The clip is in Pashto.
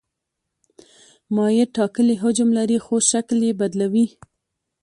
مایع ټاکلی حجم لري خو شکل یې بدلوي.